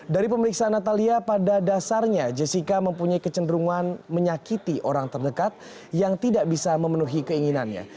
dari pemeriksaan natalia pada dasarnya jessica mempunyai kecenderungan menyakiti orang terdekat yang tidak bisa memenuhi keinginannya